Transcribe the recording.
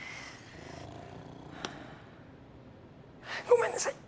ごめんなさい。